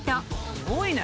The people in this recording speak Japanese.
「すごいね！」